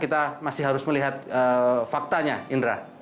kita masih harus melihat faktanya indra